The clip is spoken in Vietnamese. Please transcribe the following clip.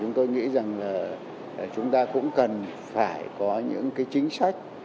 chúng tôi nghĩ rằng là chúng ta cũng cần phải có những cái chính sách